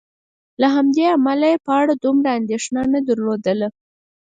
له همدې امله یې په اړه دومره اندېښنه نه درلودله.